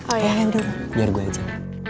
oh ya udah ya gue aja